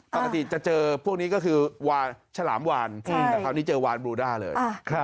ปกติจะเจอพวกนี้ก็คือวาฉลามวานแต่คราวนี้เจอวานบลูด้าเลย